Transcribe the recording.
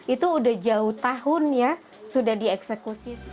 itu sudah jauh tahun ya sudah dieksekusi